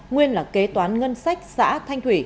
nguyên là kế toán ngân sách xã thanh thủy